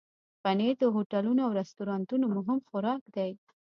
پنېر د هوټلونو او رستورانونو مهم خوراک دی.